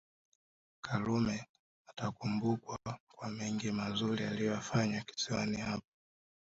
Karume atakumbukwa kwa mengi mazuri aliyoyafanya kisiwani hapo